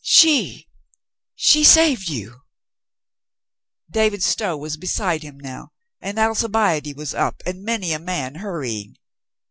"She! She saved you !" David Stow was beside him now and Alcibiade was up and many a man hurrying.